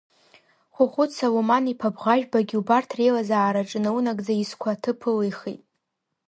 Хәыхәыт Салуман-иԥа Бӷажәбагьы убарҭ реилазаараҿы наунагӡа изқәа аҭыԥ ылихит.